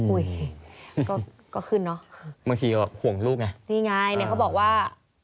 อุ้ยก็ก็ขึ้นเนอะบางทีก็ห่วงลูกไงนี่ไงเนี่ยเขาบอกว่า